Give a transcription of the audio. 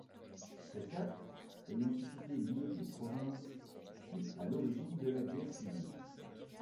Cet acte, ayant suscité l’ire des provinces, fut à l'origine de la guerre civile.